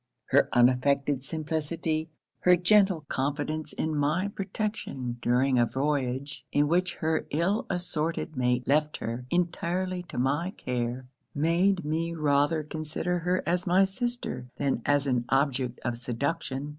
'Her unaffected simplicity; her gentle confidence in my protection during a voyage in which her ill assorted mate left her entirely to my care; made me rather consider her as my sister than as an object of seduction.